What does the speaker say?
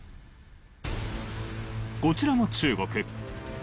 こちらも中国。